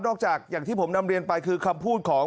จากอย่างที่ผมนำเรียนไปคือคำพูดของ